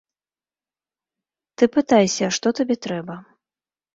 Ты пытайся, што табе трэба.